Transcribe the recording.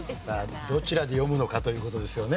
どちらで読むのかという事ですよね。